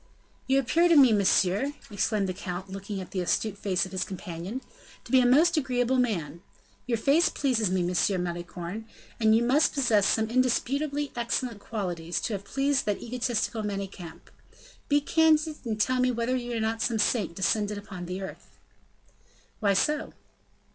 "You appear to me, monsieur!" exclaimed the count, looking at the astute face of his companion, "to be a most agreeable man. Your face pleases me, M. Malicorne, and you must possess some indisputably excellent qualities to have pleased that egotistical Manicamp. Be candid and tell me whether you are not some saint descended upon the earth." "Why so?"